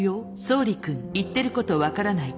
「総理君言ってること分からない」